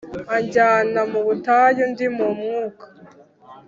Anjyana mu butayu ndi mu Mwuka,